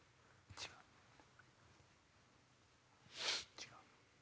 違う。